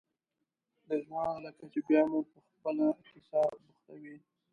رضوانه لکه چې بیا مو په خپله کیسه بوختوې.